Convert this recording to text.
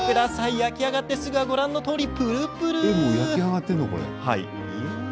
焼き上がってすぐはご覧のとおり、ぷるぷる。